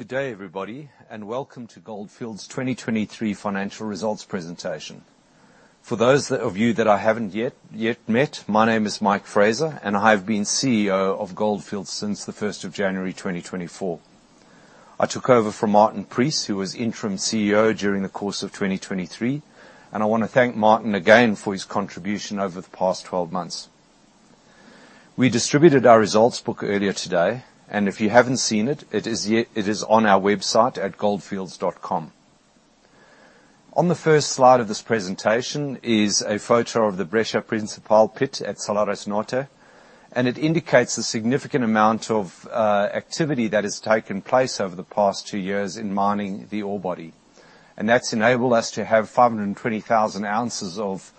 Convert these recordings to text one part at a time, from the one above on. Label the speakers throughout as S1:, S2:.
S1: Good day, everybody, and welcome to Gold Fields' 2023 financial results presentation. For those of you that I haven't yet met, my name is Mike Fraser, and I have been CEO of Gold Fields since 1st January 2024. I took over from Martin Preece, who was interim CEO during the course of 2023, and I want to thank Martin again for his contribution over the past 12 months. We distributed our results book earlier today, and if you haven't seen it, it is on our website at goldfields.com. On the first slide of this presentation is a photo of the Brecha Principal pit at Salares Norte, and it indicates the significant amount of activity that has taken place over the past two years in mining the ore body, and that's enabled us to have 520,000 ounces of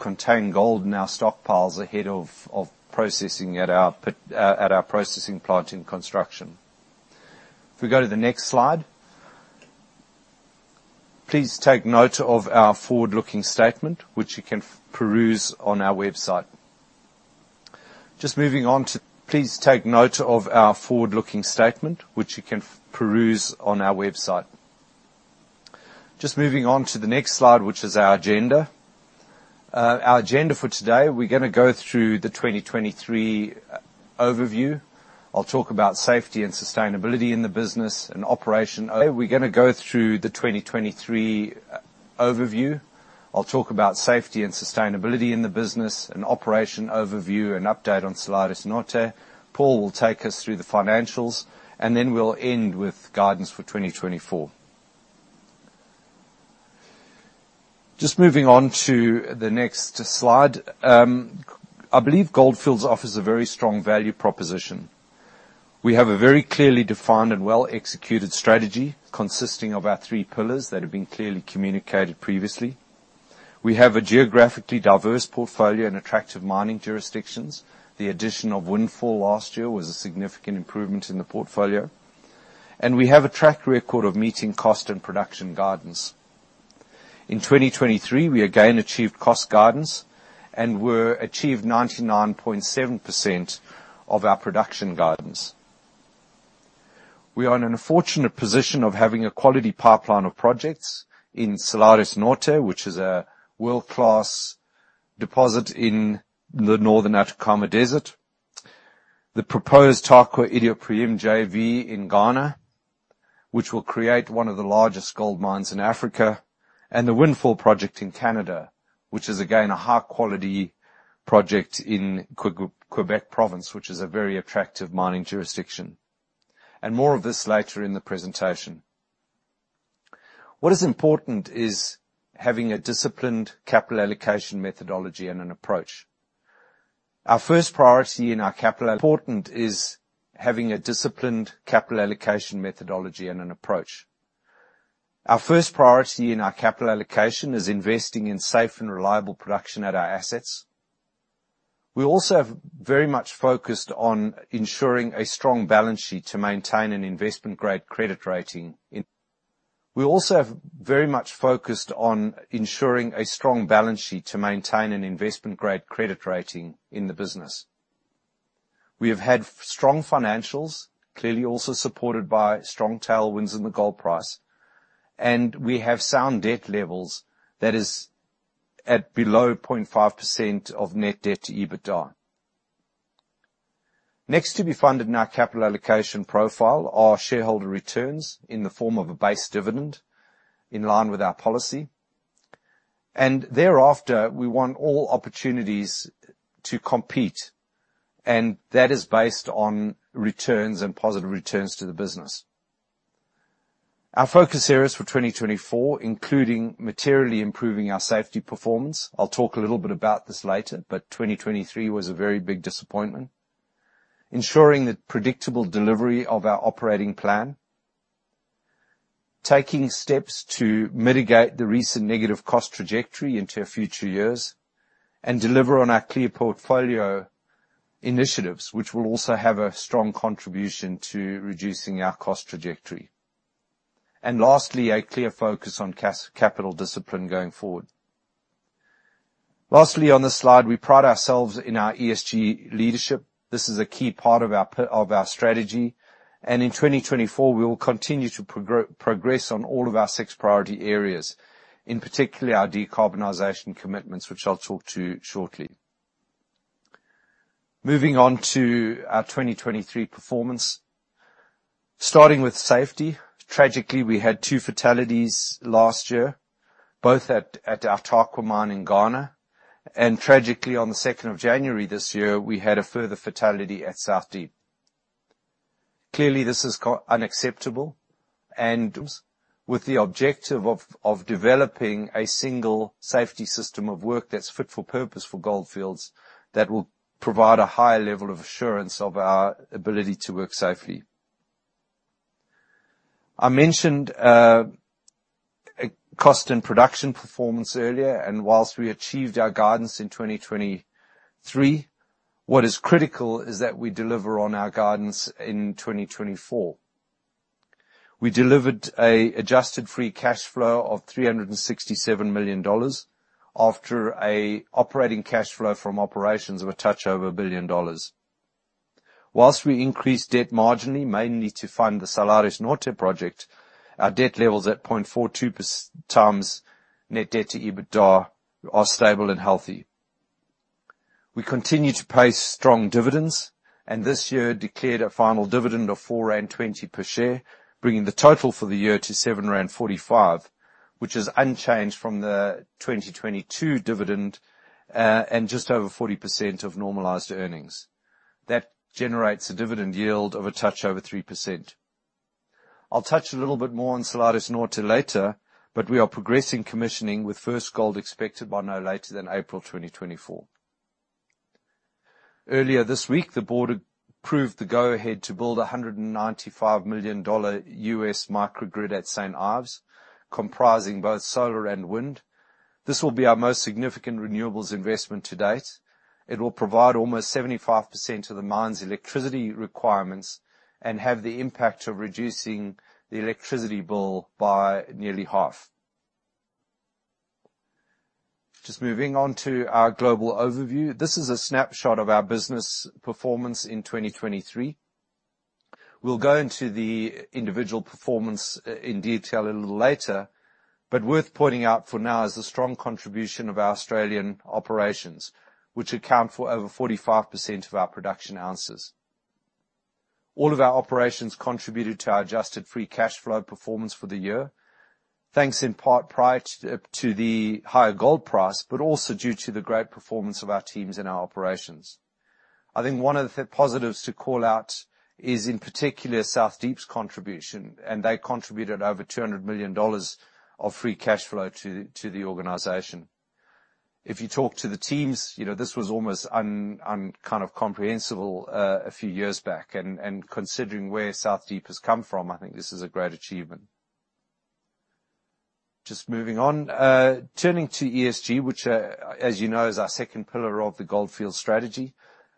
S1: contained gold in our stockpiles ahead of processing at our processing plant in construction. If we go to the next slide, please take note of our forward-looking statement, which you can peruse on our website. Please take note of our forward-looking statement, which you can peruse on our website. Just moving on to the next slide, which is our agenda. Our agenda for today, we're going to go through the 2023 overview. I'll talk about safety and sustainability in the business and operation. We're going to go through the 2023 overview. I'll talk about safety and sustainability in the business and operation overview and update on Salares Norte. Paul will take us through the financials, and then we'll end with guidance for 2024. Just moving on to the next slide. I believe Gold Fields offers a very strong value proposition. We have a very clearly defined and well-executed strategy consisting of our three pillars that have been clearly communicated previously. We have a geographically diverse portfolio in attractive mining jurisdictions. The addition of Windfall last year was a significant improvement in the portfolio, and we have a track record of meeting cost and production guidance. In 2023, we again achieved cost guidance and achieved 99.7% of our production guidance. We are in an unfortunate position of having a quality pipeline of projects in Salares Norte, which is a world-class deposit in the northern Atacama Desert, the proposed Tarkwa-Iduapriem JV in Ghana, which will create one of the largest gold mines in Africa, and the Windfall project in Canada, which is again a high-quality project in Québec, which is a very attractive mining jurisdiction. More of this later in the presentation. What is important is having a disciplined capital allocation methodology and an approach. Our first priority in our capital. Important is having a disciplined capital allocation methodology and an approach. Our first priority in our capital allocation is investing in safe and reliable production at our assets. We also have very much focused on ensuring a strong balance sheet to maintain an investment-grade credit rating in. We also have very much focused on ensuring a strong balance sheet to maintain an investment-grade credit rating in the business. We have had strong financials, clearly also supported by strong tailwinds in the gold price, and we have sound debt levels that are at below 0.5% of net debt to EBITDA. Next to be funded in our capital allocation profile are shareholder returns in the form of a base dividend in line with our policy, and thereafter we want all opportunities to compete, and that is based on returns and positive returns to the business. Our focus areas for 2024, including materially improving our safety performance, I'll talk a little bit about this later, but 2023 was a very big disappointment, ensuring the predictable delivery of our operating plan, taking steps to mitigate the recent negative cost trajectory into future years, and deliver on our clear portfolio initiatives, which will also have a strong contribution to reducing our cost trajectory. Lastly, a clear focus on capital discipline going forward. Lastly, on this slide, we pride ourselves in our ESG leadership. This is a key part of our strategy, and in 2024, we will continue to progress on all of our six priority areas, in particular our decarbonization commitments, which I'll talk to shortly. Moving on to our 2023 performance. Starting with safety, tragically, we had two fatalities last year, both at our Tarkwa mine in Ghana, and tragically, on 2nd January this year, we had a further fatality at South Deep. Clearly, this is unacceptable. With the objective of developing a single safety system of work that's fit for purpose for Gold Fields that will provide a higher level of assurance of our ability to work safely. I mentioned cost and production performance earlier, and while we achieved our guidance in 2023, what is critical is that we deliver on our guidance in 2024. We delivered an adjusted free cash flow of $367 million after an operating cash flow from operations of a touch over $1 billion. While we increased debt marginally, mainly to fund the Salares Norte project, our debt levels at 0.42x net debt to EBITDA are stable and healthy. We continue to pay strong dividends and this year declared a final dividend of $4.20 per share, bringing the total for the year to $7.45, which is unchanged from the 2022 dividend and just over 40% of normalized earnings. That generates a dividend yield of a touch over 3%. I'll touch a little bit more on Salares Norte later, but we are progressing commissioning with first gold expected by no later than April 2024. Earlier this week, the board approved the go-ahead to build a $195 million microgrid at St Ives, comprising both solar and wind. This will be our most significant renewables investment to date. It will provide almost 75% of the mine's electricity requirements and have the impact of reducing the electricity bill by nearly half. Just moving on to our global overview. This is a snapshot of our business performance in 2023. We'll go into the individual performance in detail a little later, but worth pointing out for now is the strong contribution of our Australian operations, which account for over 45% of our production ounces. All of our operations contributed to our adjusted free cash flow performance for the year, thanks in part to the higher gold price, but also due to the great performance of our teams in our operations. I think one of the positives to call out is, in particular, South Deep's contribution, and they contributed over $200 million of free cash flow to the organization. If you talk to the teams, this was almost kind of incomprehensible a few years back, and considering where South Deep has come from, I think this is a great achievement. Just moving on. Turning to ESG, which, as you know, is our second pillar of the Gold Fields strategy,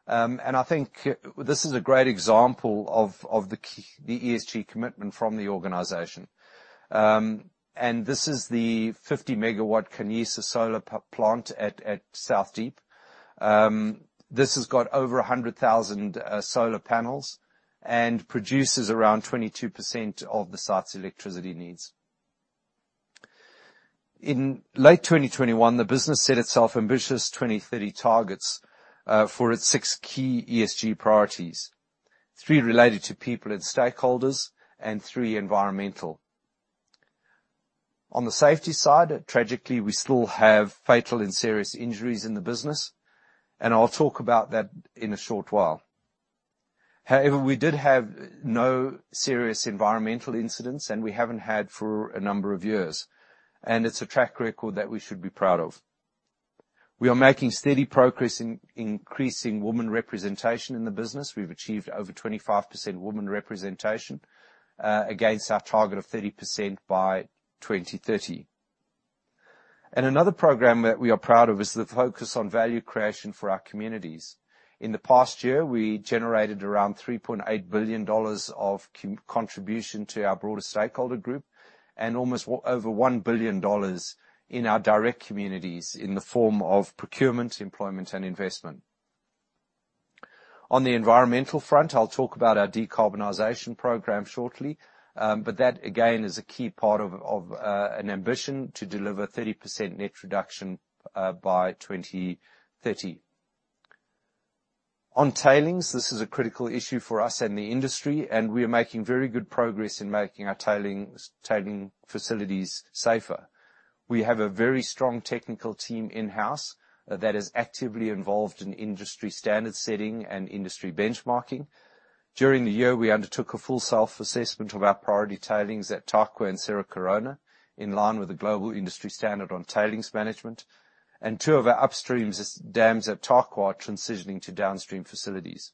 S1: and I think this is a great example of the ESG commitment from the organization. This is the 50 MW Khanyisa solar plant at South Deep. This has got over 100,000 solar panels and produces around 22% of the site's electricity needs. In late 2021, the business set itself ambitious 2030 targets for its six key ESG priorities, three related to people and stakeholders, and three environmental. On the safety side, tragically, we still have fatal and serious injuries in the business, and I'll talk about that in a short while. However, we did have no serious environmental incidents, and we haven't had for a number of years, and it's a track record that we should be proud of. We are making steady progress in increasing women representation in the business. We've achieved over 25% women representation against our target of 30% by 2030. Another program that we are proud of is the focus on value creation for our communities. In the past year, we generated around $3.8 billion of contribution to our broader stakeholder group and almost over $1 billion in our direct communities in the form of procurement, employment, and investment. On the environmental front, I'll talk about our decarbonization program shortly, but that, again, is a key part of an ambition to deliver 30% net reduction by 2030. On tailings, this is a critical issue for us and the industry, and we are making very good progress in making our tailings facilities safer. We have a very strong technical team in-house that is actively involved in industry standard setting and industry benchmarking. During the year, we undertook a full self-assessment of our priority tailings at Tarkwa and Cerro Corona in line with the global industry standard on tailings management, and two of our upstream dams at Tarkwa are transitioning to downstream facilities.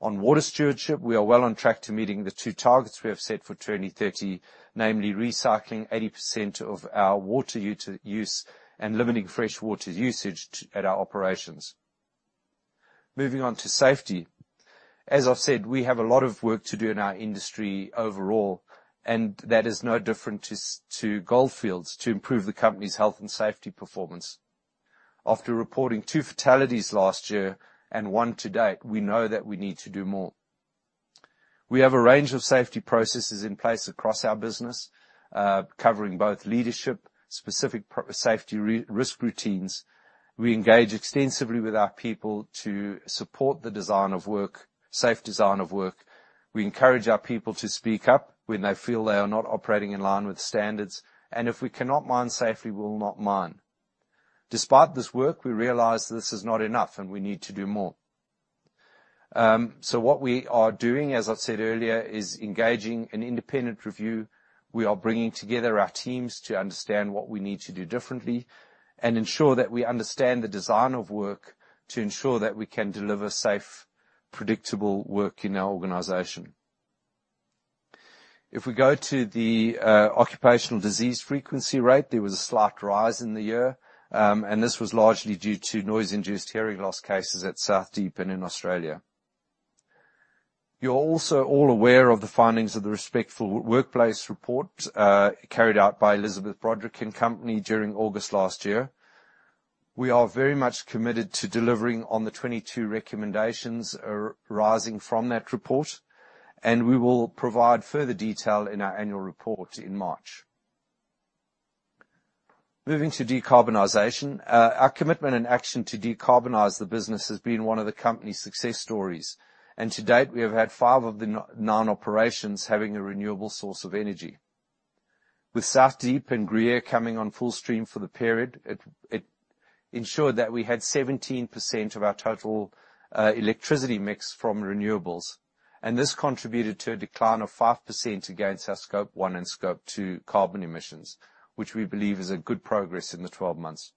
S1: On water stewardship, we are well on track to meeting the two targets we have set for 2030, namely recycling 80% of our water use and limiting freshwater usage at our operations. Moving on to safety. As I've said, we have a lot of work to do in our industry overall, and that is no different to Gold Fields, to improve the company's health and safety performance. After reporting two fatalities last year and one to date, we know that we need to do more. We have a range of safety processes in place across our business, covering both leadership, specific safety risk routines. We engage extensively with our people to support the safe design of work. We encourage our people to speak up when they feel they are not operating in line with standards, and if we cannot mine safely, we'll not mine. Despite this work, we realize this is not enough, and we need to do more. So what we are doing, as I've said earlier, is engaging an independent review. We are bringing together our teams to understand what we need to do differently and ensure that we understand the design of work to ensure that we can deliver safe, predictable work in our organization. If we go to the occupational disease frequency rate, there was a slight rise in the year, and this was largely due to noise-induced hearing loss cases at South Deep and in Australia. You're also all aware of the findings of the Respectful Workplace Report carried out by Elizabeth Broderick & Co during August last year. We are very much committed to delivering on the 22 recommendations arising from that report, and we will provide further detail in our annual report in March. Moving to decarbonization. Our commitment and action to decarbonize the business has been one of the company's success stories, and to date, we have had five of the nine operations having a renewable source of energy. With South Deep and Gruyere coming on full stream for the period, it ensured that we had 17% of our total electricity mix from renewables, and this contributed to a decline of 5% against our Scope 1 and Scope 2 carbon emissions, which we believe is a good progress in the 12 months.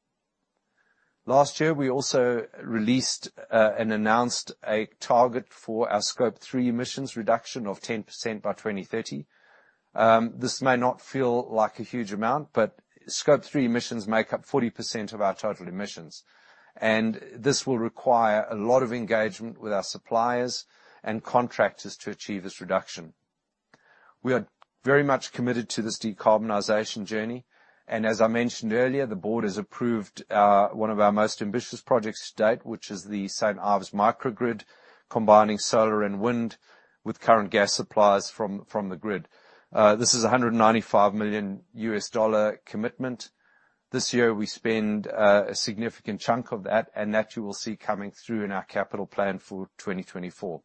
S1: Last year, we also released and announced a target for our Scope 3 emissions reduction of 10% by 2030. This may not feel like a huge amount, but Scope 3 emissions make up 40% of our total emissions, and this will require a lot of engagement with our suppliers and contractors to achieve this reduction. We are very much committed to this decarbonization journey, and as I mentioned earlier, the board has approved one of our most ambitious projects to date, which is the St Ives microgrid combining solar and wind with current gas supplies from the grid. This is a $195 million commitment. This year, we spend a significant chunk of that, and that you will see coming through in our capital plan for 2024.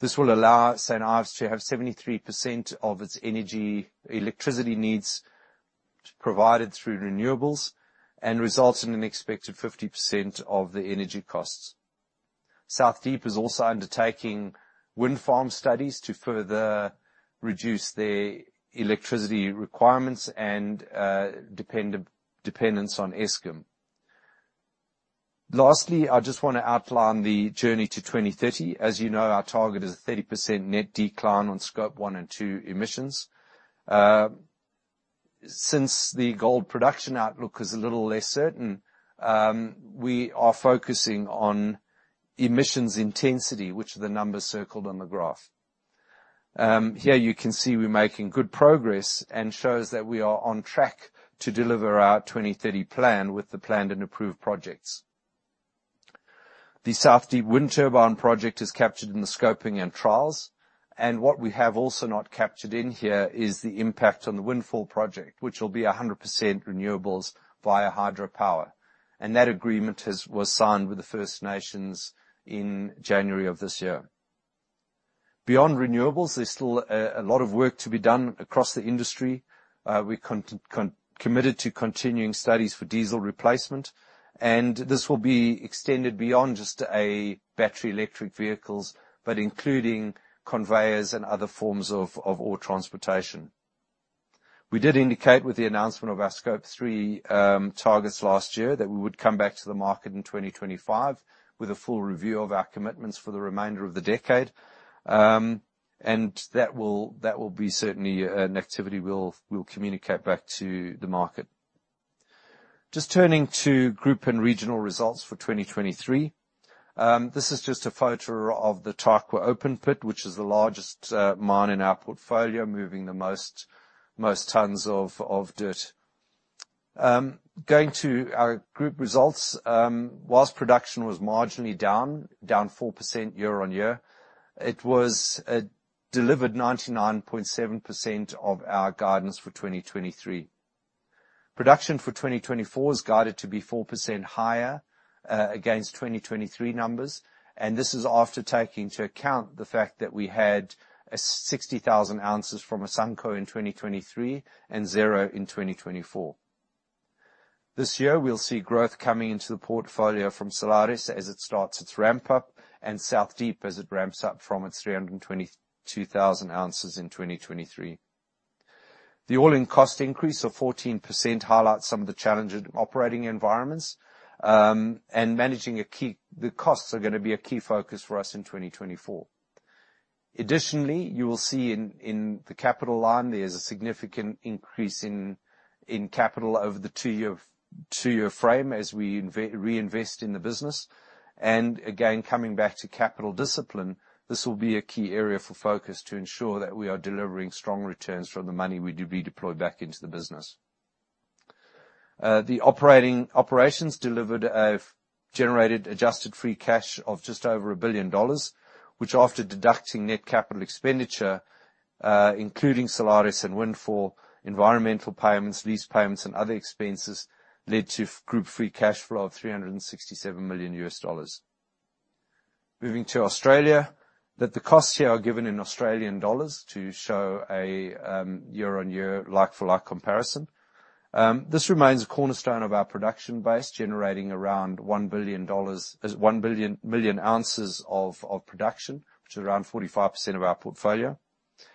S1: This will allow St Ives to have 73% of its electricity needs provided through renewables and results in an expected 50% of the energy costs. South Deep is also undertaking wind farm studies to further reduce their electricity requirements and dependence on Eskom. Lastly, I just want to outline the journey to 2030. As you know, our target is a 30% net decline on Scope 1 and 2 emissions. Since the gold production outlook is a little less certain, we are focusing on emissions intensity, which are the numbers circled on the graph. Here, you can see we're making good progress and shows that we are on track to deliver our 2030 plan with the planned and approved projects. The South Deep wind turbine project is captured in the scoping and trials, and what we have also not captured in here is the impact on the Windfall project, which will be 100% renewables via hydropower, and that agreement was signed with the First Nations in January of this year. Beyond renewables, there's still a lot of work to be done across the industry. We're committed to continuing studies for diesel replacement, and this will be extended beyond just battery electric vehicles, but including conveyors and other forms of all transportation. We did indicate with the announcement of our Scope 3 targets last year that we would come back to the market in 2025 with a full review of our commitments for the remainder of the decade, and that will be certainly an activity we'll communicate back to the market. Just turning to group and regional results for 2023. This is just a photo of the Tarkwa open pit, which is the largest mine in our portfolio moving the most tons of dirt. Going to our group results, while production was marginally down 4% year-on-year, it delivered 99.7% of our guidance for 2023. Production for 2024 is guided to be 4% higher against 2023 numbers, and this is after taking into account the fact that we had 60,000 ounces from Asanko in 2023 and 0 ounces in 2024. This year, we'll see growth coming into the portfolio from Salares Norte as it starts its ramp-up and South Deep as it ramps up from its 322,000 ounces in 2023. The all-in cost increase of 14% highlights some of the challenges in operating environments, and managing the costs are going to be a key focus for us in 2024. Additionally, you will see in the capital line, there's a significant increase in capital over the two-year frame as we reinvest in the business, and again, coming back to capital discipline, this will be a key area for focus to ensure that we are delivering strong returns from the money we redeploy back into the business. The operations generated adjusted free cash of just over $1 billion, which after deducting net capital expenditure, including Salares Norte and Windfall, environmental payments, lease payments, and other expenses, led to group free cash flow of $367 million. Moving to Australia. The costs here are given in Australian dollars to show a year-over-year like-for-like comparison. This remains a cornerstone of our production base, generating around 1 million ounces of production, which is around 45% of our portfolio,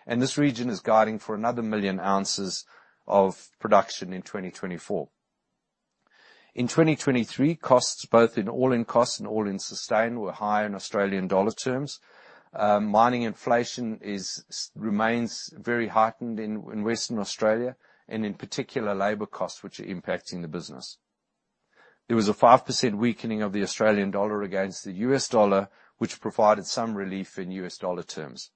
S1: and this region is guiding for another 1 million ounces of production in 2024. In 2023, costs both in all-in cost and all-in sustaining were high in Australian dollar terms. Mining inflation remains very heightened in Western Australia and, in particular, labor costs, which are impacting the business. There was a 5% weakening of the Australian dollar against the U.S. dollar, which provided some relief in U.S. dollar terms.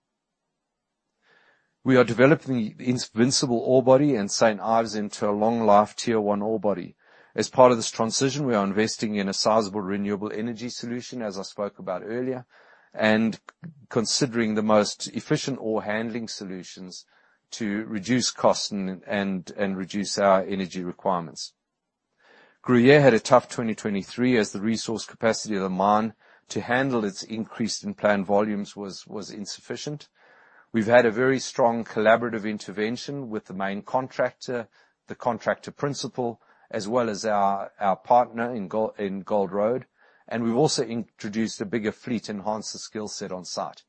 S1: We are developing the Invincible orebody and St Ives into a long-life tier one orebody. As part of this transition, we are investing in a sizable renewable energy solution, as I spoke about earlier, and considering the most efficient ore handling solutions to reduce costs and reduce our energy requirements. Gruyere had a tough 2023 as the resource capacity of the mine to handle its increase in planned volumes was insufficient. We've had a very strong collaborative intervention with the main contractor, the contractor principal, as well as our partner in Gold Road, and we've also introduced a bigger fleet enhancer skill set on site.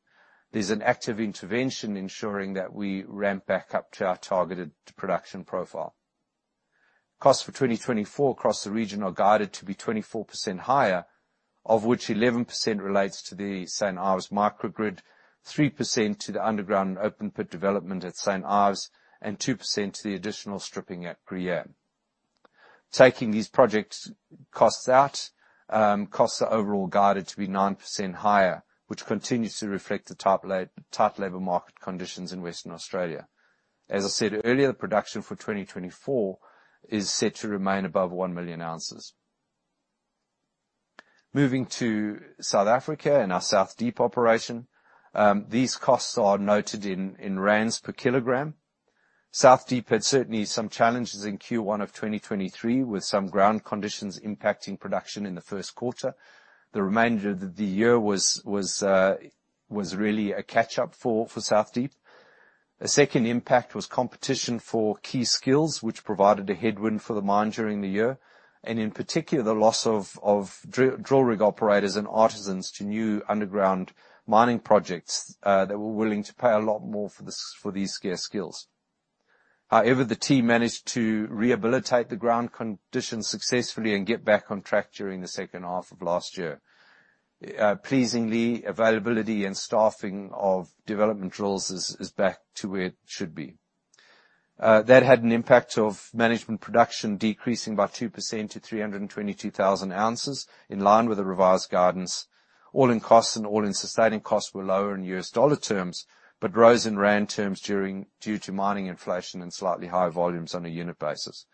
S1: There's an active intervention ensuring that we ramp back up to our targeted production profile. Costs for 2024 across the region are guided to be 24% higher, of which 11% relates to the St Ives microgrid, 3% to the underground open pit development at St Ives, and 2% to the additional stripping at Gruyere. Taking these project costs out, costs are overall guided to be 9% higher, which continues to reflect the tight labor market conditions in Western Australia. As I said earlier, the production for 2024 is set to remain above 1 million ounces. Moving to South Africa and our South Deep operation, these costs are noted in rand per kg. South Deep had certainly some challenges in Q1 of 2023, with some ground conditions impacting production in the first quarter. The remainder of the year was really a catch-up for South Deep. A second impact was competition for key skills, which provided a headwind for the mine during the year, and in particular, the loss of drill rig operators and artisans to new underground mining projects that were willing to pay a lot more for these scarce skills. However, the team managed to rehabilitate the ground conditions successfully and get back on track during the second half of last year. Pleasingly, availability and staffing of development drills is back to where it should be. That had an impact of management production decreasing by 2% to 322,000 ounces in line with the revised guidance. All-in costs and all-in sustaining costs were lower in U.S. dollar terms, but rose in rand terms due to mining inflation and slightly high volumes on a unit basis.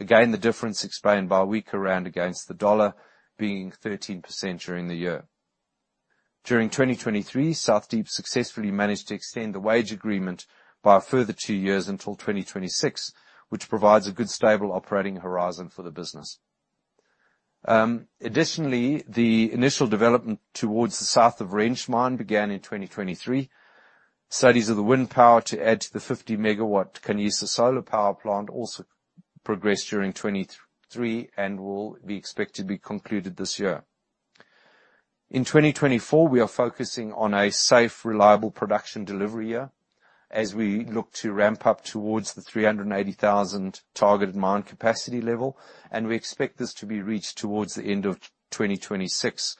S1: Again, the difference explained by a weaker rand against the dollar being 13% during the year. During 2023, South Deep successfully managed to extend the wage agreement by a further two years until 2026, which provides a good, stable operating horizon for the business. Additionally, the initial development towards the south of Wrench Mine began in 2023. Studies of the wind power to add to the 50 MW Khanyisa solar power plant also progressed during 2023 and will be expected to be concluded this year. In 2024, we are focusing on a safe, reliable production delivery year as we look to ramp up towards the 380,000 targeted mine capacity level, and we expect this to be reached towards the end of 2026.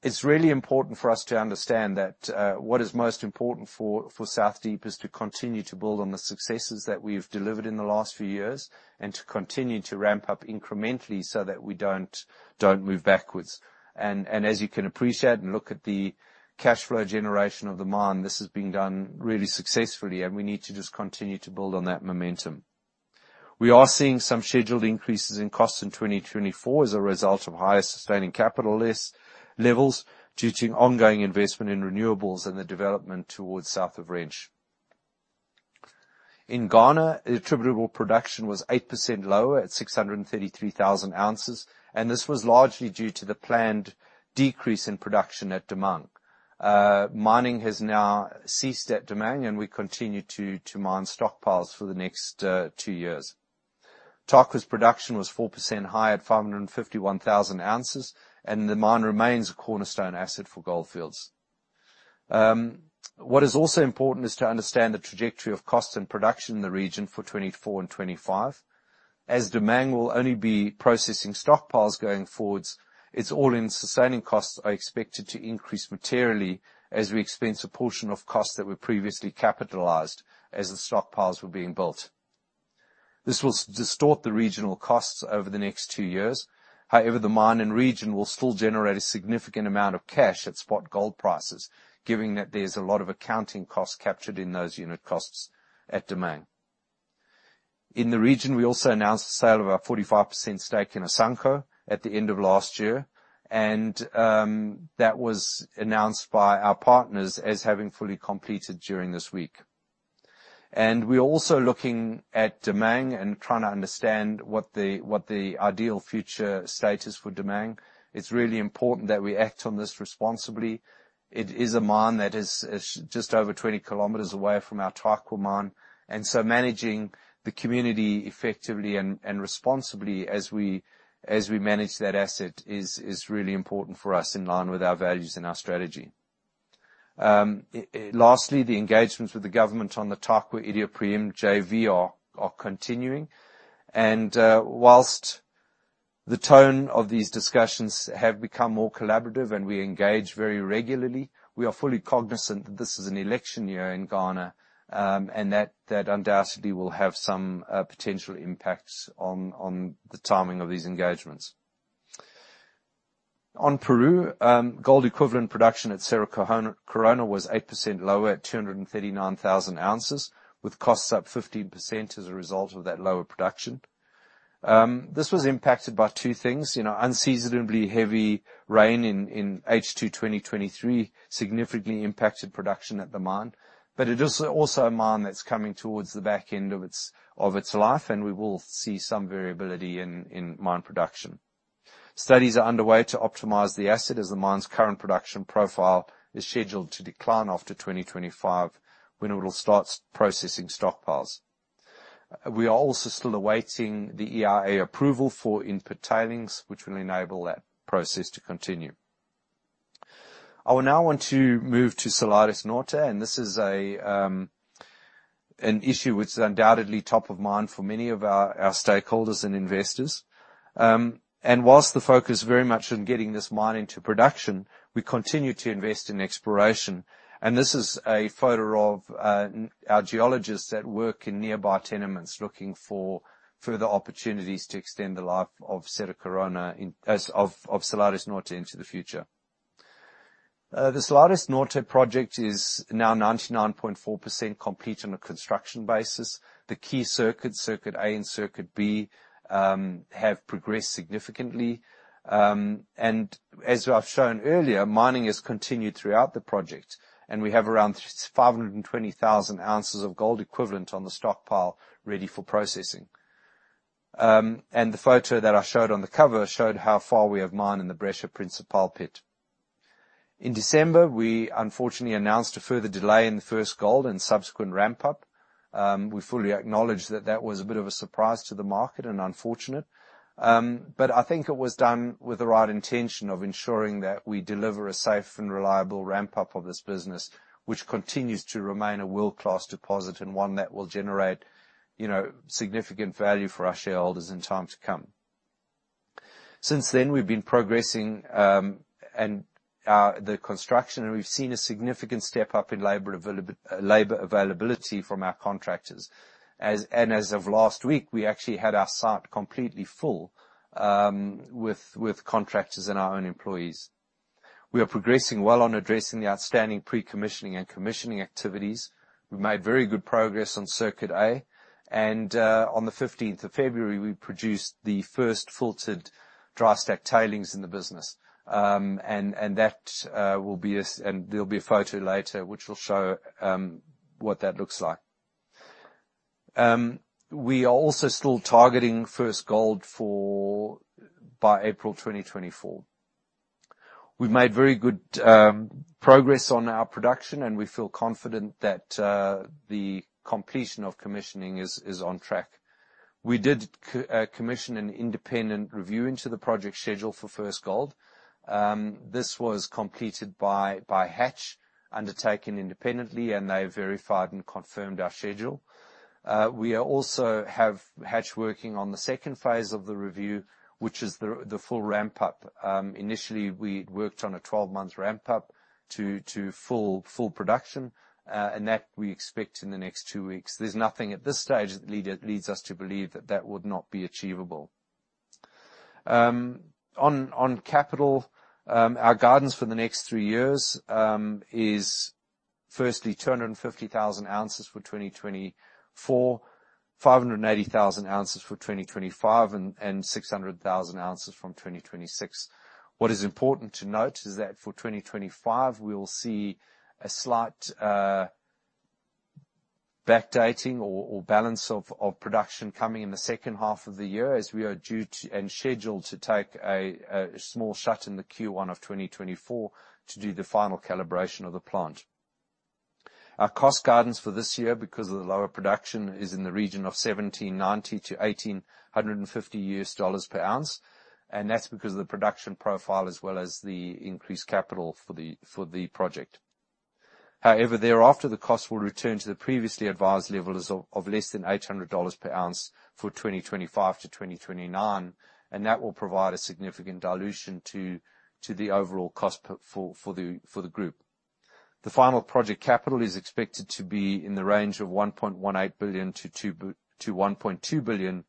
S1: It's really important for us to understand that what is most important for South Deep is to continue to build on the successes that we've delivered in the last few years and to continue to ramp up incrementally so that we don't move backwards. As you can appreciate and look at the cash flow generation of the mine, this has been done really successfully, and we need to just continue to build on that momentum. We are seeing some scheduled increases in costs in 2024 as a result of higher sustaining capital levels due to ongoing investment in renewables and the development towards south of Wrench. In Ghana, attributable production was 8% lower at 633,000 ounces, and this was largely due to the planned decrease in production at Damang. Mining has now ceased at Damang, and we continue to mine stockpiles for the next two years. Tarkwa's production was 4% higher at 551,000 ounces, and the mine remains a cornerstone asset for Gold Fields. What is also important is to understand the trajectory of costs and production in the region for 2024 and 2025. As Damang will only be processing stockpiles going forwards, its all-in sustaining costs are expected to increase materially as we expense a portion of costs that were previously capitalised as the stockpiles were being built. This will distort the regional costs over the next two years. However, the mine and region will still generate a significant amount of cash at spot gold prices, given that there's a lot of accounting costs captured in those unit costs at Damang. In the region, we also announced the sale of our 45% stake in Asanko at the end of last year, and that was announced by our partners as having fully completed during this week. And we're also looking at demand and trying to understand what the ideal future status for demand. It's really important that we act on this responsibly. It is a mine that is just over 20 km away from our Tarkwa mine, and so managing the community effectively and responsibly as we manage that asset is really important for us in line with our values and our strategy. Lastly, the engagements with the government on the Tarkwa Iduapriem JV are continuing, and while the tone of these discussions have become more collaborative and we engage very regularly, we are fully cognizant that this is an election year in Ghana and that undoubtedly will have some potential impacts on the timing of these engagements. On Peru, gold equivalent production at Cerro Corona was 8% lower at 239,000 ounces, with costs up 15% as a result of that lower production. This was impacted by two things. Unseasonably heavy rain in H2 2023 significantly impacted production at the mine, but it is also a mine that's coming towards the back end of its life, and we will see some variability in mine production. Studies are underway to optimize the asset as the mine's current production profile is scheduled to decline after 2025 when it will start processing stockpiles. We are also still awaiting the EIA approval for input tailings, which will enable that process to continue. I will now want to move to Salares Norte, and this is an issue which is undoubtedly top of mind for many of our stakeholders and investors. While the focus is very much on getting this mine into production, we continue to invest in exploration, and this is a photo of our geologists that work in nearby tenements looking for further opportunities to extend the life of Salares Norte into the future. The Salares Norte project is now 99.4% complete on a construction basis. The key circuits, Circuit A and Circuit B, have progressed significantly, and as I've shown earlier, mining has continued throughout the project, and we have around 520,000 ounces of gold equivalent on the stockpile ready for processing. The photo that I showed on the cover showed how far we have mined in the Brecha Principal pit. In December, we unfortunately announced a further delay in the first gold and subsequent ramp-up. We fully acknowledge that that was a bit of a surprise to the market and unfortunate, but I think it was done with the right intention of ensuring that we deliver a safe and reliable ramp-up of this business, which continues to remain a world-class deposit and one that will generate significant value for our shareholders in time to come. Since then, we've been progressing in the construction, and we've seen a significant step up in labor availability from our contractors. As of last week, we actually had our site completely full with contractors and our own employees. We are progressing well on addressing the outstanding pre-commissioning and commissioning activities. We made very good progress on Circuit A, and on the 15th of February, we produced the first filtered dry stack tailings in the business, and there'll be a photo later which will show what that looks like. We are also still targeting first gold by April 2024. We've made very good progress on our production, and we feel confident that the completion of commissioning is on track. We did commission an independent review into the project schedule for first gold. This was completed by Hatch, undertaken independently, and they verified and confirmed our schedule. We also have Hatch working on the second phase of the review, which is the full ramp-up. Initially, we worked on a 12-month ramp-up to full production, and that we expect in the next two weeks. There's nothing at this stage that leads us to believe that that would not be achievable. On capital, our guidance for the next three years is, firstly, 250,000 ounces for 2024, 580,000 ounces for 2025, and 600,000 ounces from 2026. What is important to note is that for 2025, we will see a slight backdating or balance of production coming in the second half of the year as we are due and scheduled to take a small shut in the Q1 of 2024 to do the final calibration of the plant. Our cost guidance for this year, because of the lower production, is in the region of $1,790-$1,850 per ounce, and that's because of the production profile as well as the increased capital for the project. However, thereafter, the cost will return to the previously advised level of less than $800 per ounce for 2025 to 2029, and that will provide a significant dilution to the overall cost for the group. The final project capital is expected to be in the range of $1.18 billion-$1.2 billion,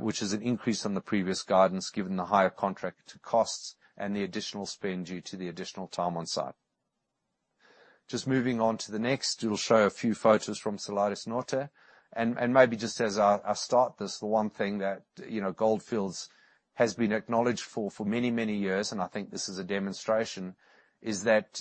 S1: which is an increase on the previous guidance given the higher contract costs and the additional spend due to the additional time on site. Just moving on to the next, it'll show a few photos from Salares Norte. And maybe just as I start this, the one thing that Gold Fields has been acknowledged for many, many years, and I think this is a demonstration, is that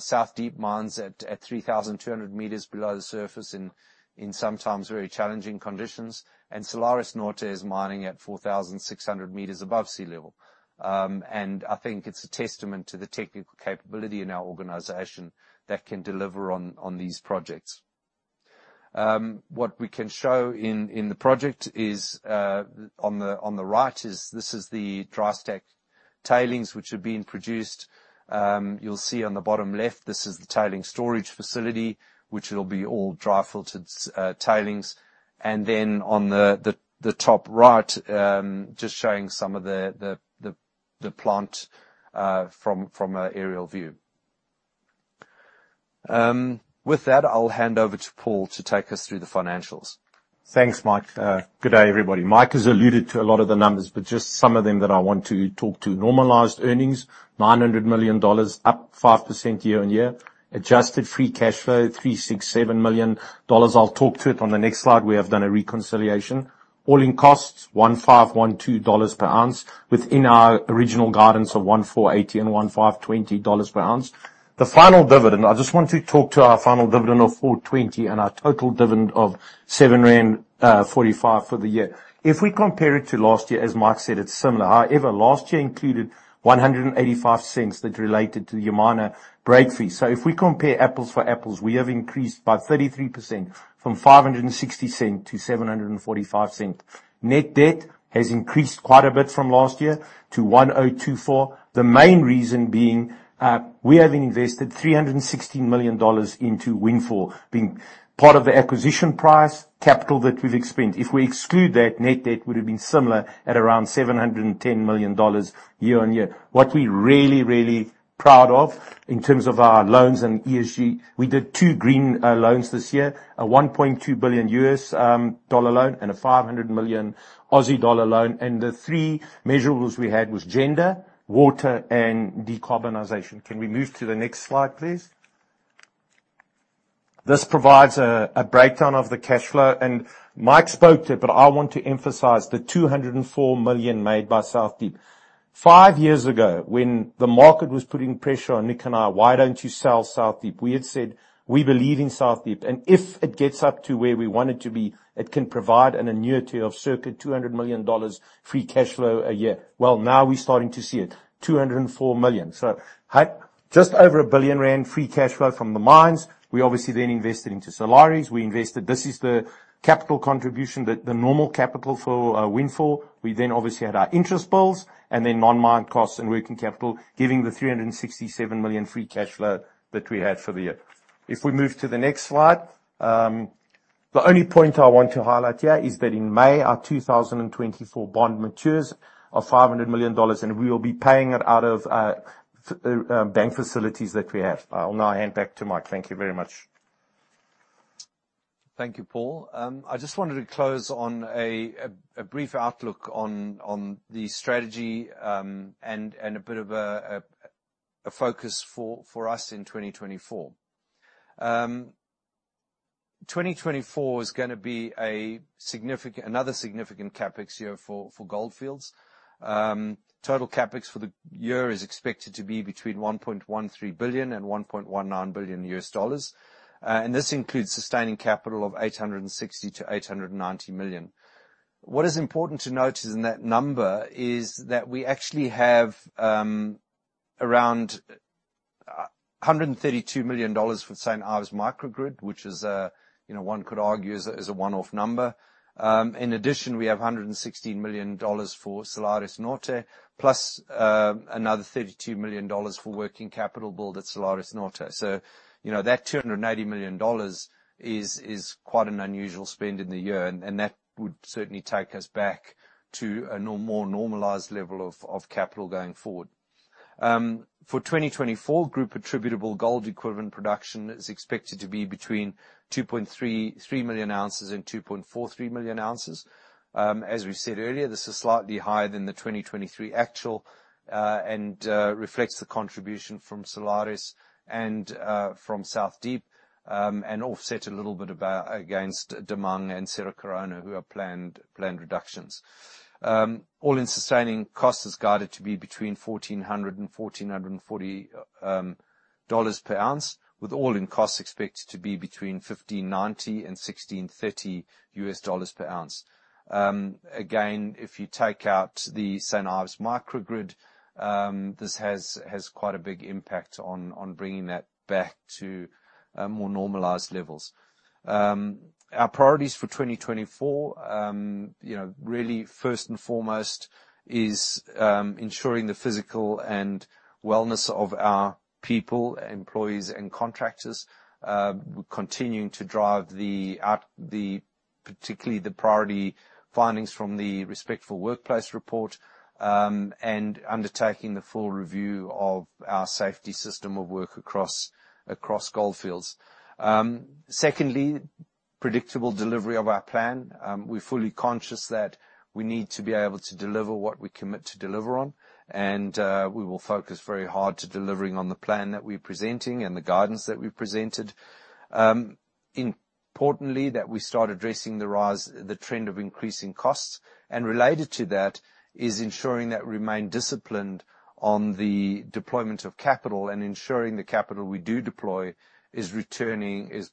S1: South Deep mine is at 3,200 meters below the surface in sometimes very challenging conditions, and Salares Norte is mining at 4,600 meters above sea level. And I think it's a testament to the technical capability in our organization that can deliver on these projects. What we can show in the project is, on the right, this is the dry stack tailings which have been produced. You'll see on the bottom left, this is the tailings storage facility, which will be all dry-filtered tailings. Then on the top right, just showing some of the plant from an aerial view. With that, I'll hand over to Paul to take us through the financials.
S2: Thanks, Mike. Good day, everybody. Mike has alluded to a lot of the numbers, but just some of them that I want to talk to: normalized earnings, $900 million up 5% year-on-year; adjusted free cash flow, $367 million. I'll talk to it on the next slide, where I've done a reconciliation; all-in costs, $1,512 per ounce within our original guidance of $1,480-$1,520 per ounce. The final dividend, I just want to talk to our final dividend of 4.20 and our total dividend of 7.45 rand for the year. If we compare it to last year, as Mike said, it's similar. However, last year included 1.85 that related to the Yamana breakthrough. So if we compare apples for apples, we have increased by 33% from 5.60 to 7.45. Net debt has increased quite a bit from last year to $1,024 million, the main reason being we haven't invested $316 million into Windfall, being part of the acquisition price, capital that we've expended. If we exclude that, net debt would have been similar at around $710 million year-over-year. What we're really, really proud of in terms of our loans and ESG, we did two green loans this year, a $1.2 billion loan and a $500 million loan. The three measurables we had were gender, water, and decarbonization. Can we move to the next slide, please? This provides a breakdown of the cash flow, and Mike spoke to it, but I want to emphasize the $204 million made by South Deep. Five years ago, when the market was putting pressure on Nick and I, why don't you sell South Deep? we had said, we believe in South Deep, and if it gets up to where we want it to be, it can provide an annuity of circa $200 million free cash flow a year. Well, now we're starting to see it, $204 million. So just over 1 billion rand free cash flow from the mines, we obviously then invested into Salares. This is the capital contribution, the normal capital for Windfall. We then obviously had our interest bills and then non-mine costs and working capital, giving the $367 million free cash flow that we had for the year. If we move to the next slide, the only point I want to highlight here is that in May, our 2024 bond matures of $500 million, and we'll be paying it out of bank facilities that we have. I'll now hand back to Mike. Thank you very much.
S1: Thank you, Paul. I just wanted to close on a brief outlook on the strategy and a bit of a focus for us in 2024. 2024 is going to be another significant CapEx year for Gold Fields. Total CapEx for the year is expected to be between $1.13 billion and $1.19 billion, and this includes sustaining capital of $860 million-$890 million. What is important to note is in that number is that we actually have around $132 million for St Ives Microgrid, which one could argue is a one-off number. In addition, we have $116 million for Salares Norte, plus another $32 million for working capital build at Salares Norte. So that $280 million is quite an unusual spend in the year, and that would certainly take us back to a more normalized level of capital going forward. For 2024, group attributable gold equivalent production is expected to be between 2.3 million ounces and 2.43 million ounces. As we said earlier, this is slightly higher than the 2023 actual and reflects the contribution from Salares Norte and from South Deep, and offset a little bit against Damang and Cerro Corona, who have planned reductions. All-in sustaining cost is guided to be between $1,400 and $1,440 per ounce, with all-in costs expected to be between $1,590 and $1,630 per ounce. Again, if you take out the St Ives Microgrid, this has quite a big impact on bringing that back to more normalized levels. Our priorities for 2024, really first and foremost, is ensuring the physical and wellness of our people, employees, and contractors. We're continuing to drive particularly the priority findings from the Respectful Workplace Report and undertaking the full review of our safety system of work across Gold Fields. Secondly, predictable delivery of our plan. We're fully conscious that we need to be able to deliver what we commit to deliver on, and we will focus very hard on delivering on the plan that we're presenting and the guidance that we've presented. Importantly, that we start addressing the trend of increasing costs, and related to that is ensuring that we remain disciplined on the deployment of capital and ensuring the capital we do deploy is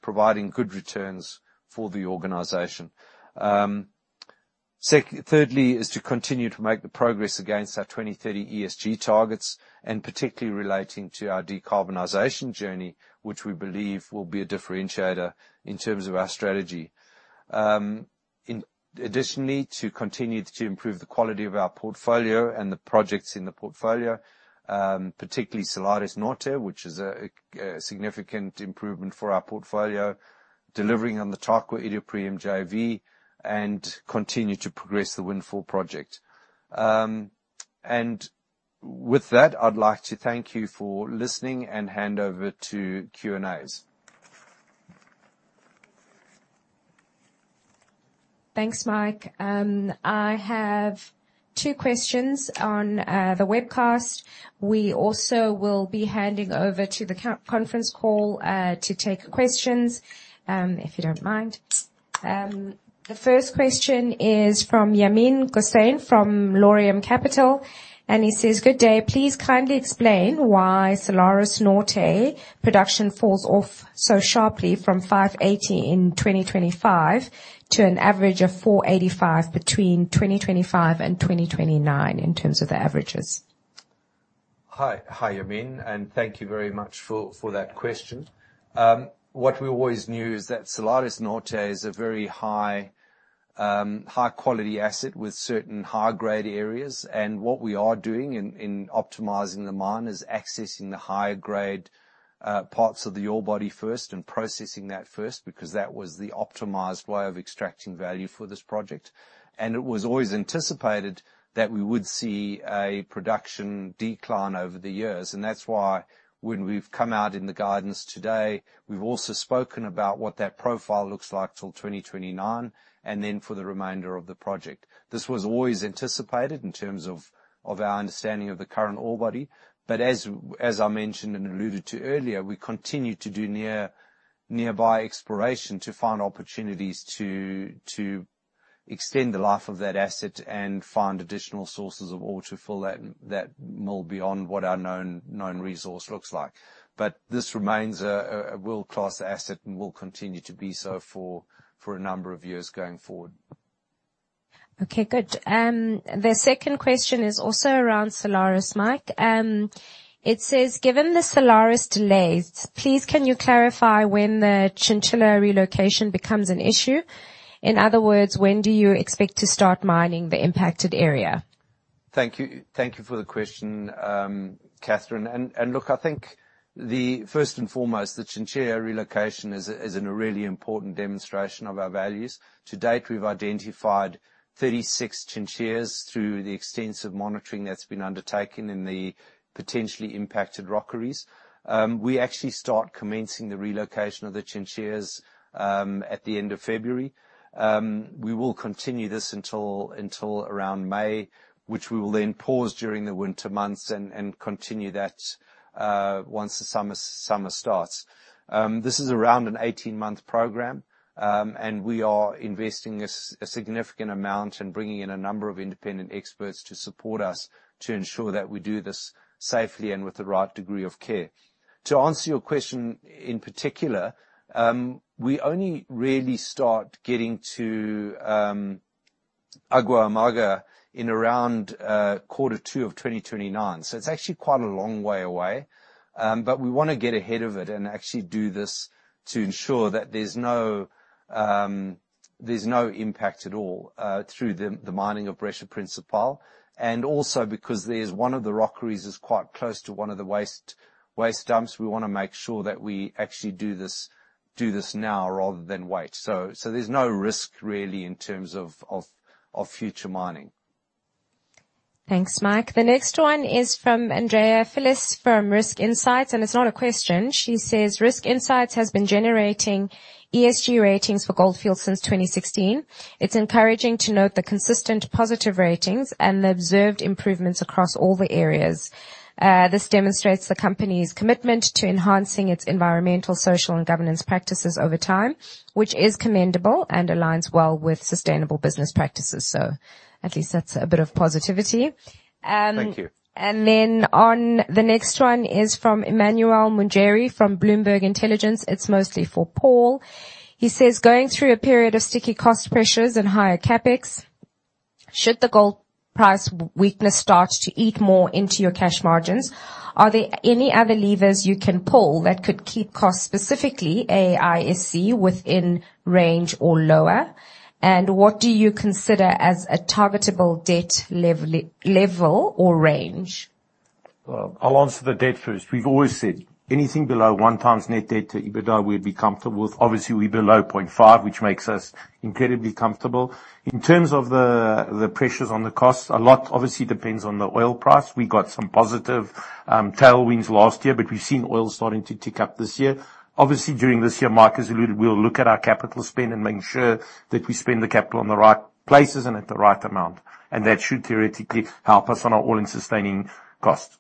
S1: providing good returns for the organization. Thirdly, is to continue to make the progress against our 2030 ESG targets, and particularly relating to our decarbonization journey, which we believe will be a differentiator in terms of our strategy. Additionally, to continue to improve the quality of our portfolio and the projects in the portfolio, particularly Salares Norte, which is a significant improvement for our portfolio, delivering on the Tarkwa Iduapriem JV, and continue to progress the Windfall project. And with that, I'd like to thank you for listening and hand over to Q&As.
S3: Thanks, Mike. I have two questions on the webcast. We also will be handing over to the conference call to take questions, if you don't mind. The first question is from Yamin Ghossein from Laurium Capital, and he says, good day. Please kindly explain why Salares Norte production falls off so sharply from $580 in 2025 to an average of $485 between 2025 and 2029 in terms of the averages.
S1: Hi, Yamin, and thank you very much for that question. What we always knew is that Salares Norte is a very high-quality asset with certain high-grade areas, and what we are doing in optimizing the mine is accessing the higher-grade parts of the ore body first and processing that first because that was the optimized way of extracting value for this project. It was always anticipated that we would see a production decline over the years, and that's why when we've come out in the guidance today, we've also spoken about what that profile looks like till 2029 and then for the remainder of the project. This was always anticipated in terms of our understanding of the current ore body, but as I mentioned and alluded to earlier, we continue to do nearby exploration to find opportunities to extend the life of that asset and find additional sources of ore to fill that mill beyond what our known resource looks like. But this remains a world-class asset and will continue to be so for a number of years going forward.
S3: Okay, good. The second question is also around Salares Norte's, Mike. It says, "Given the Salares Norte's delays, please can you clarify when the Chinchilla relocation becomes an issue? In other words, when do you expect to start mining the impacted area?
S1: Thank you for the question, Catherine. And look, I think first and foremost, the Chinchilla relocation is a really important demonstration of our values. To date, we've identified 36 Chinchillas through the extensive monitoring that's been undertaken in the potentially impacted rockeries. We actually start commencing the relocation of the Chinchillas at the end of February. We will continue this until around May, which we will then pause during the winter months and continue that once the summer starts. This is around an 18-month program, and we are investing a significant amount and bringing in a number of independent experts to support us to ensure that we do this safely and with the right degree of care. To answer your question in particular, we only really start getting to Agua Amarga in around quarter two of 2029, so it's actually quite a long way away. But we want to get ahead of it and actually do this to ensure that there's no impact at all through the mining of Brecha Principal, and also because one of the rockeries is quite close to one of the waste dumps, we want to make sure that we actually do this now rather than wait. So there's no risk really in terms of future mining.
S3: Thanks, Mike. The next one is from Andrea Phillis from Risk Insights, and it's not a question. She says, risk Insights has been generating ESG ratings for Gold Fields since 2016. It's encouraging to note the consistent positive ratings and the observed improvements across all the areas. This demonstrates the company's commitment to enhancing its environmental, social, and governance practices over time, which is commendable and aligns well with sustainable business practices. So at least that's a bit of positivity.
S1: Thank you.
S3: And then on the next one is from Emmanuel Munjeri from Bloomberg Intelligence. It's mostly for Paul. He says, going through a period of sticky cost pressures and higher CapEx, should the gold price weakness start to eat more into your cash margins, are there any other levers you can pull that could keep costs, specifically AISC, within range or lower? And what do you consider as a targetable debt level or range?
S2: I'll answer the debt first. We've always said anything below 1x net debt to EBITDA, we'd be comfortable with. Obviously, we're below 0.5, which makes us incredibly comfortable. In terms of the pressures on the costs, a lot obviously depends on the oil price. We got some positive tailwinds last year, but we've seen oil starting to tick up this year. Obviously, during this year, Mike has alluded, we'll look at our capital spend and make sure that we spend the capital on the right places and at the right amount, and that should theoretically help us on our all-in sustaining costs.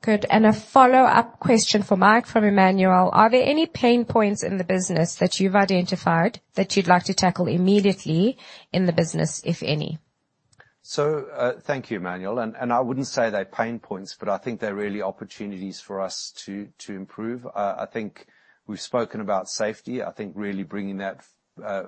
S3: Good. A follow-up question for Mike from Emmanuel. Are there any pain points in the business that you've identified that you'd like to tackle immediately in the business, if any?
S1: So thank you, Emmanuel. I wouldn't say they're pain points, but I think they're really opportunities for us to improve. I think we've spoken about safety. I think really bringing that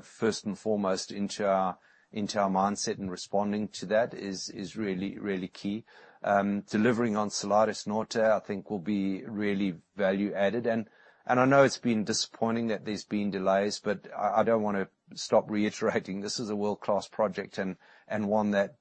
S1: first and foremost into our mindset and responding to that is really key. Delivering on Salares Norte, I think, will be really value-added. I know it's been disappointing that there's been delays, but I don't want to stop reiterating this is a world-class project and one that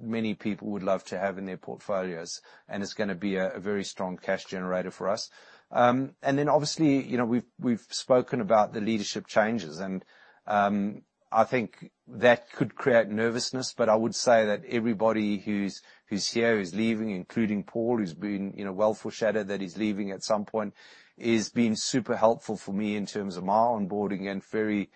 S1: many people would love to have in their portfolios, and it's going to be a very strong cash generator for us. Then obviously, we've spoken about the leadership changes, and I think that could create nervousness, but I would say that everybody who's here, who's leaving, including Paul, who's been fortunate that he's leaving at some point, has been super helpful for me in terms of my onboarding and very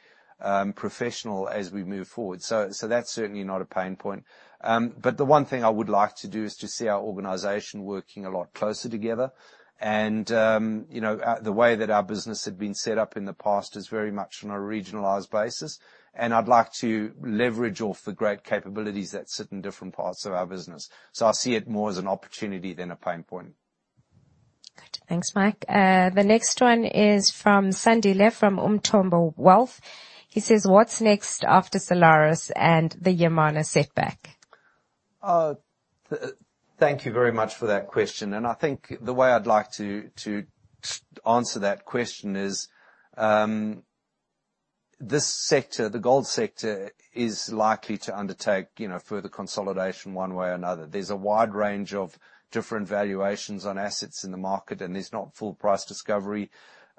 S1: professional as we move forward. So that's certainly not a pain point. But the one thing I would like to do is to see our organization working a lot closer together. The way that our business had been set up in the past is very much on a regionalized basis, and I'd like to leverage off the great capabilities that sit in different parts of our business. So I see it more as an opportunity than a pain point.
S3: Good. Thanks, Mike. The next one is from Sandile from Umthombo Wealth. He says, what's next after Salares and the Yamana setback?
S1: Thank you very much for that question. I think the way I'd like to answer that question is this sector, the gold sector, is likely to undertake further consolidation one way or another. There's a wide range of different valuations on assets in the market, and there's not full price discovery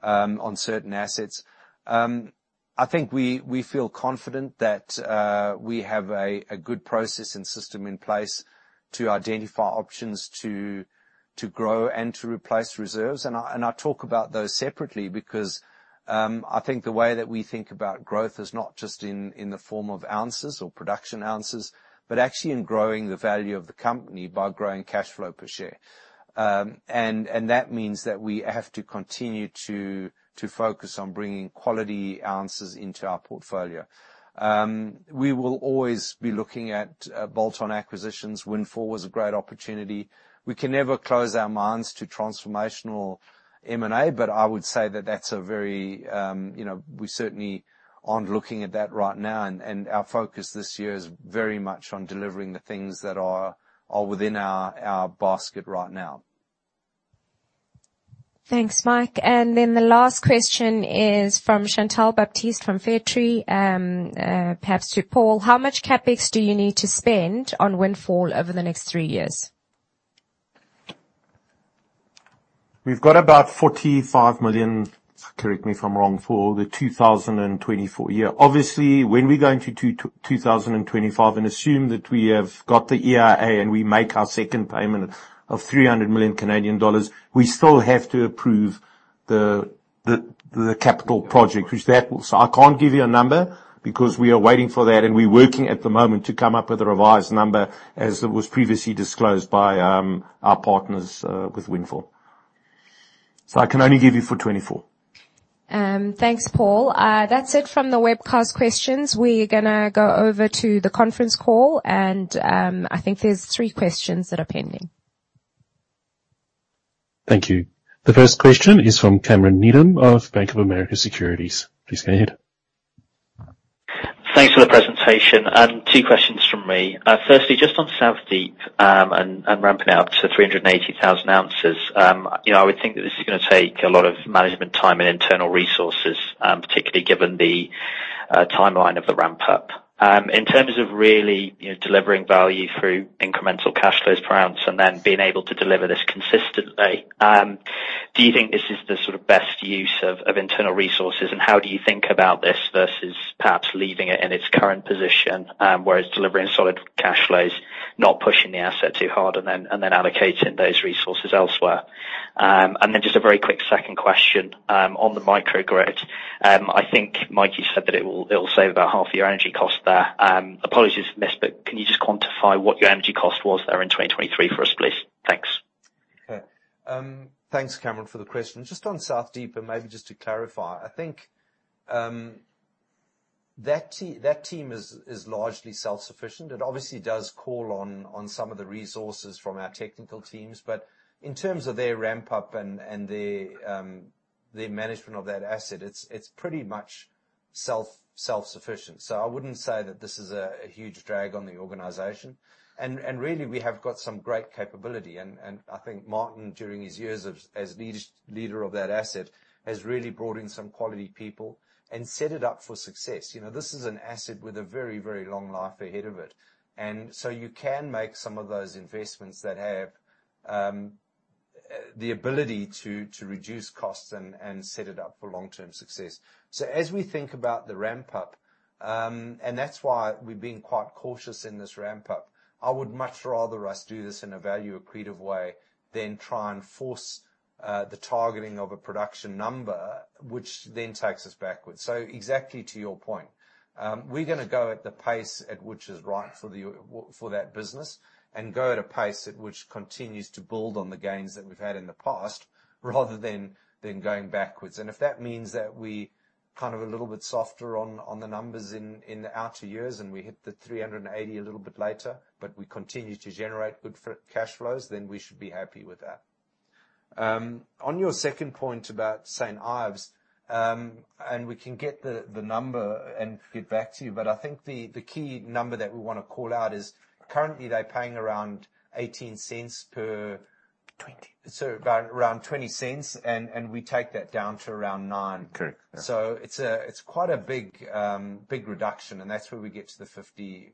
S1: on certain assets. I think we feel confident that we have a good process and system in place to identify options to grow and to replace reserves. I talk about those separately because I think the way that we think about growth is not just in the form of ounces or production ounces, but actually in growing the value of the company by growing cash flow per share. That means that we have to continue to focus on bringing quality ounces into our portfolio. We will always be looking at bolt-on acquisitions. Windfall was a great opportunity. We can never close our minds to transformational M&A, but I would say that that's a very we certainly aren't looking at that right now, and our focus this year is very much on delivering the things that are within our basket right now.
S3: Thanks, Mike. And then the last question is from Chantal Baptiste from Fairtree, perhaps to Paul. How much CapEx do you need to spend on Windfall over the next three years?
S2: We've got about $45 million, correct me if I'm wrong, for the 2024 year. Obviously, when we go into 2025 and assume that we have got the EIA and we make our second payment of 300 million Canadian dollars, we still have to approve the capital project, which that will so I can't give you a number because we are waiting for that, and we're working at the moment to come up with a revised number as it was previously disclosed by our partners with Windfall. So I can only give you for 2024.
S3: Thanks, Paul. That's it from the webcast questions. We're going to go over to the conference call, and I think there's three questions that are pending.
S4: Thank you. The first question is from Cameron Needham of Bank of America Securities. Please go ahead.
S5: Thanks for the presentation. Two questions from me. Firstly, just on South Deep and ramping out to 380,000 ounces, I would think that this is going to take a lot of management time and internal resources, particularly given the timeline of the ramp-up. In terms of really delivering value through incremental cash flows per ounce and then being able to deliver this consistently, do you think this is the best use of internal resources, and how do you think about this versus perhaps leaving it in its current position where it's delivering solid cash flows, not pushing the asset too hard, and then allocating those resources elsewhere? And then just a very quick second question on the microgrid. I think Mikey said that it'll save about half your energy cost there. Apologies if I missed, but can you just quantify what your energy cost was there in 2023 for us, please? Thanks.
S1: Okay. Thanks, Cameron, for the question. Just on South Deep and maybe just to clarify, I think that team is largely self-sufficient. It obviously does call on some of the resources from our technical teams, but in terms of their ramp-up and their management of that asset, it's pretty much self-sufficient. So I wouldn't say that this is a huge drag on the organization. And really, we have got some great capability. And I think Martin, during his years as leader of that asset, has really brought in some quality people and set it up for success. This is an asset with a very, very long life ahead of it, and so you can make some of those investments that have the ability to reduce costs and set it up for long-term success. As we think about the ramp-up and that's why we've been quite cautious in this ramp-up, I would much rather us do this in a value accretive way than try and force the targeting of a production number, which then takes us backwards. Exactly to your point, we're going to go at the pace at which is right for that business and go at a pace at which continues to build on the gains that we've had in the past rather than going backwards. If that means that we're kind of a little bit softer on the numbers in the outer years and we hit the 380 a little bit later, but we continue to generate good cash flows, then we should be happy with that. On your second point about St Ives, and we can get the number and get back to you, but I think the key number that we want to call out is currently, they're paying around $0.18 per.
S5: $0.20.
S1: Around $0.20, and we take that down to around $0.09.
S5: Correct.
S1: It's quite a big reduction, and that's where we get to the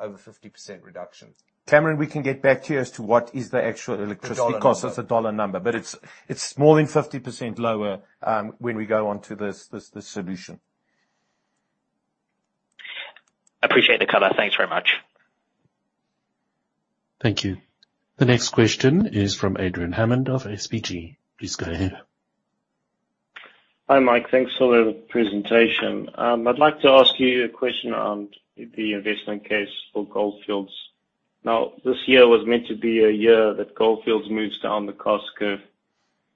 S1: over 50% reduction.
S2: Cameron, we can get back to you as to what is the actual electricity cost. It's a dollar number, but it's more than 50% lower when we go onto this solution.
S5: Appreciate the cover. Thanks very much.
S4: Thank you. The next question is from Adrian Hammond of SBG. Please go ahead.
S6: Hi, Mike. Thanks for the presentation. I'd like to ask you a question on the investment case for Gold Fields. Now, this year was meant to be a year that Gold Fields moves down the cost curve,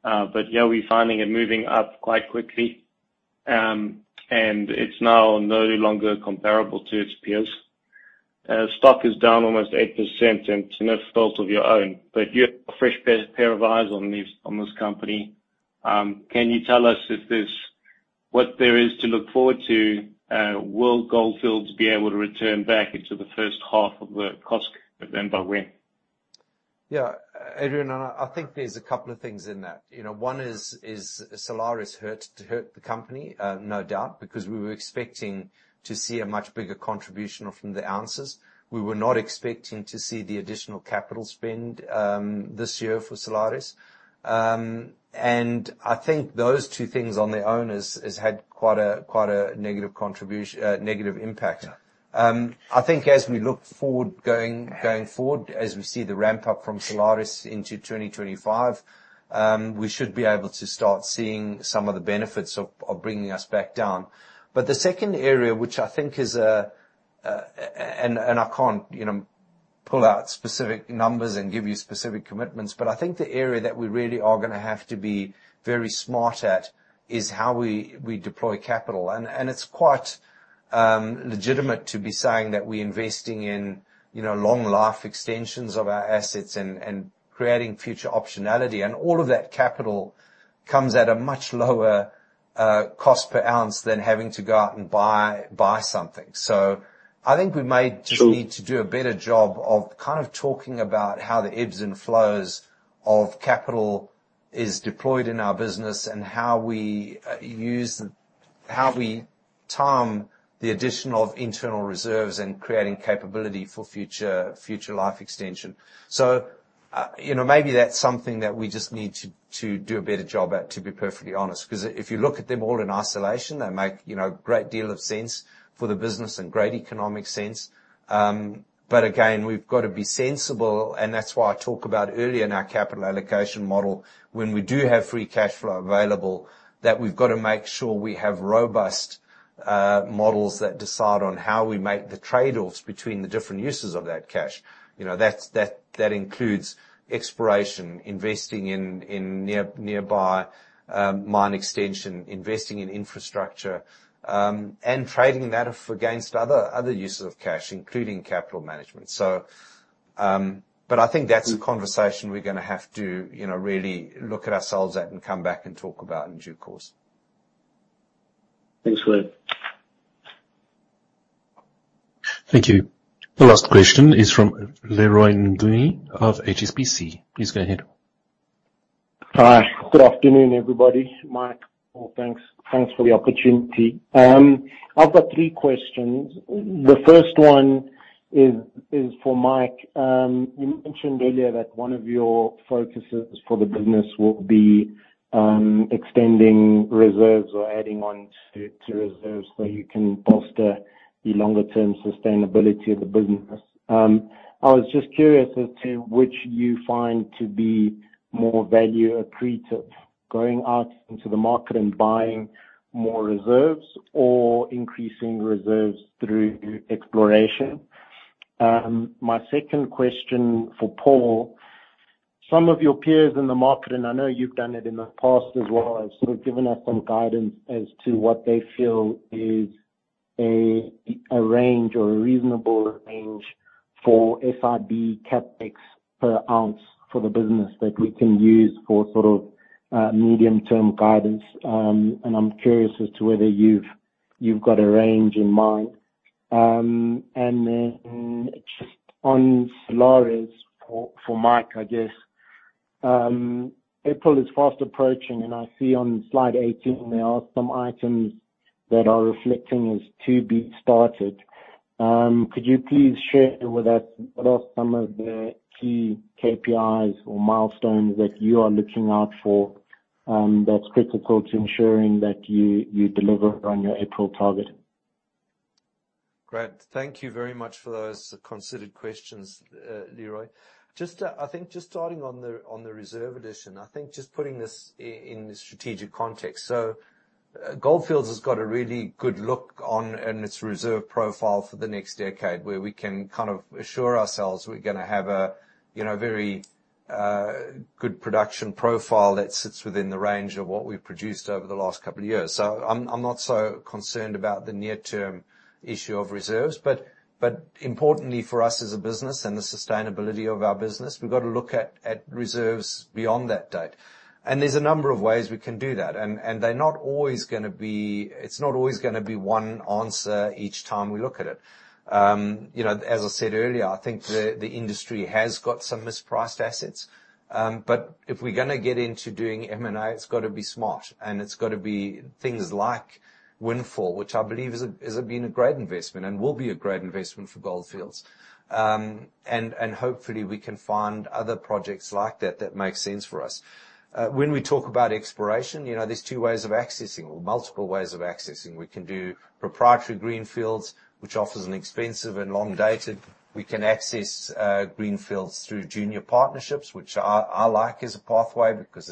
S6: but yeah, we're finding it moving up quite quickly, and it's now no longer comparable to its peers. Stock is down almost 8%, and it's an effort of your own, but you're a fresh pair of eyes on this company. Can you tell us what there is to look forward to? Will Gold Fields be able to return back into the first half of the cost curve then, by when?
S1: Yeah. Adrian, I think there's a couple of things in that. One is Salares hurt the company, no doubt, because we were expecting to see a much bigger contribution from the ounces. We were not expecting to see the additional capital spend this year for Salares. And I think those two things on their own have had quite a negative impact. I think as we look forward going forward, as we see the ramp-up from Salares into 2025, we should be able to start seeing some of the benefits of bringing us back down. But the second area, which I think is a and I can't pull out specific numbers and give you specific commitments, but I think the area that we really are going to have to be very smart at is how we deploy capital. It's quite legitimate to be saying that we're investing in long-life extensions of our assets and creating future optionality, and all of that capital comes at a much lower cost per ounce than having to go out and buy something. So I think we may just need to do a better job of kind of talking about how the ebbs and flows of capital are deployed in our business and how we use how we time the addition of internal reserves and creating capability for future life extension. So maybe that's something that we just need to do a better job at, to be perfectly honest, because if you look at them all in isolation, they make a great deal of sense for the business and great economic sense. But again, we've got to be sensible, and that's why I talked about earlier in our capital allocation model, when we do have free cash flow available, that we've got to make sure we have robust models that decide on how we make the trade-offs between the different uses of that cash. That includes exploration, investing in nearby mine extension, investing in infrastructure, and trading that against other uses of cash, including capital management. But I think that's a conversation we're going to have to really look at ourselves at and come back and talk about in due course.
S6: Thanks, Mike.
S4: Thank you. The last question is from Leroy Mnguni of HSBC. Please go ahead.
S7: Hi. Good afternoon, everybody. Mike, Paul, thanks. Thanks for the opportunity. I've got three questions. The first one is for Mike. You mentioned earlier that one of your focuses for the business will be extending reserves or adding on to reserves so you can bolster the longer-term sustainability of the business. I was just curious as to which you find to be more value accretive, going out into the market and buying more reserves or increasing reserves through exploration. My second question for Paul, some of your peers in the market and I know you've done it in the past as well have sort of given us some guidance as to what they feel is a range or a reasonable range for SIB CapEx per ounce for the business that we can use for sort of medium-term guidance. And I'm curious as to whether you've got a range in mind. And then just on Salares, for Mike, I guess, April is fast approaching, and I see on Slide 18, there are some items that are reflecting as to be started. Could you please share with us what are some of the key KPIs or milestones that you are looking out for that's critical to ensuring that you deliver on your April target?
S1: Great. Thank you very much for those considered questions, Leroy. I think just starting on the reserve addition, I think just putting this in strategic context. So Gold Fields has got a really good look on its reserve profile for the next decade where we can kind of assure ourselves we're going to have a very good production profile that sits within the range of what we've produced over the last couple of years. So I'm not so concerned about the near-term issue of reserves, but importantly for us as a business and the sustainability of our business, we've got to look at reserves beyond that date. And there's a number of ways we can do that, and they're not always going to be. It's not always going to be one answer each time we look at it. As I said earlier, I think the industry has got some mispriced assets, but if we're going to get into doing M&A, it's got to be smart, and it's got to be things like Windfall, which I believe has been a great investment and will be a great investment for Gold Fields. Hopefully, we can find other projects like that that make sense for us. When we talk about exploration, there's two ways of accessing or multiple ways of accessing. We can do proprietary greenfields, which offers an expensive and long-dated. We can access greenfields through junior partnerships, which I like as a pathway because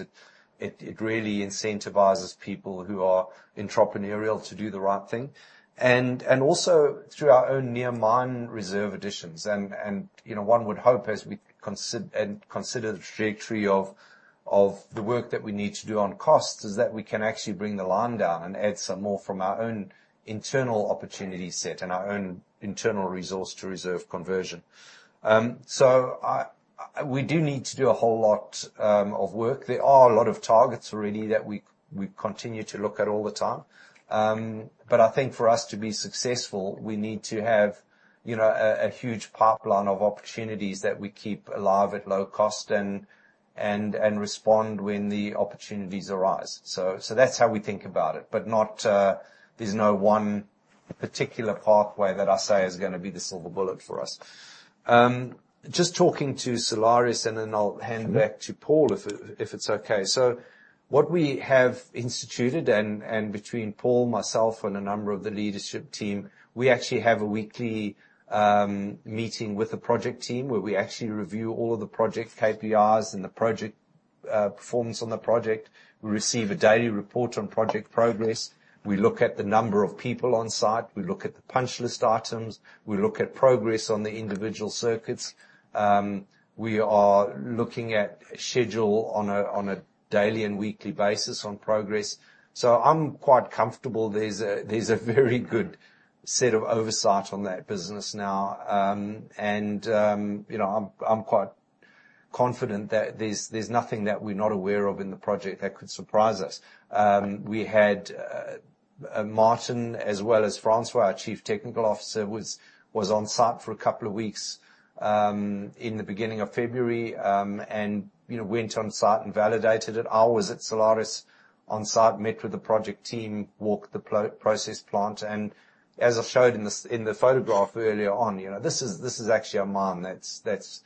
S1: it really incentivizes people who are intrapreneurial to do the right thing. And also through our own near-mine reserve additions. And one would hope, as we consider the trajectory of the work that we need to do on costs, is that we can actually bring the line down and add some more from our own internal opportunity set and our own internal resource to reserve conversion. So we do need to do a whole lot of work. There are a lot of targets already that we continue to look at all the time. But I think for us to be successful, we need to have a huge pipeline of opportunities that we keep alive at low cost and respond when the opportunities arise. So that's how we think about it, but there's no one particular pathway that I say is going to be the silver bullet for us. Just talking to Salares, and then I'll hand back to Paul if it's okay. So what we have instituted, and between Paul, myself, and a number of the leadership team, we actually have a weekly meeting with the project team where we actually review all of the project KPIs and the project performance on the project. We receive a daily report on project progress. We look at the number of people on site. We look at the punch list items. We look at progress on the individual circuits. We are looking at a schedule on a daily and weekly basis on progress. So I'm quite comfortable. There's a very good set of oversight on that business now, and I'm quite confident that there's nothing that we're not aware of in the project that could surprise us. We had Martin, as well as Francois, our Chief Technical Officer, who was on site for a couple of weeks in the beginning of February and went on site and validated it. I was at Salares on site, met with the project team, walked the process plant, and as I showed in the photograph earlier on, this is actually a mine that's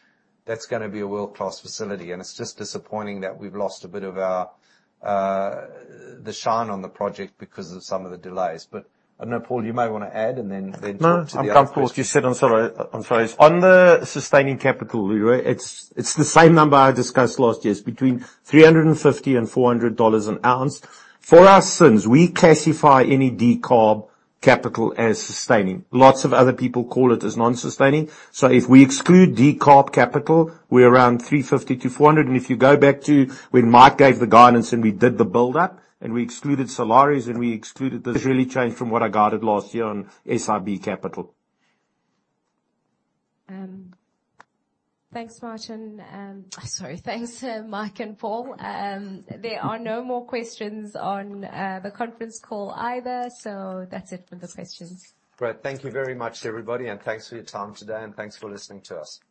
S1: going to be a world-class facility. And it's just disappointing that we've lost a bit of the shine on the project because of some of the delays. But I don't know, Paul. You might want to add and then talk to the others.
S2: No, I'm comfortable. You said I'm sorry. On the sustaining capital, Leroy, it's the same number I discussed last year is between $350-$400 an ounce. For our sins, we classify any decarb capital as sustaining. Lots of other people call it as non-sustaining. So if we exclude decarb capital, we're around $350-$400. And if you go back to when Mike gave the guidance and we did the buildup and we excluded Salares and we excluded. Has really changed from what I guided last year on SIB capital.
S3: Thanks, Martin. Sorry, thanks, Mike and Paul. There are no more questions on the conference call either, so that's it for the questions.
S1: Great. Thank you very much, everybody, and thanks for your time today, and thanks for listening to us.